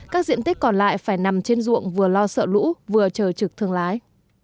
các diện tích còn lại phải nằm trên ruộng vừa lo sợ lũ vừa chờ trực thương lái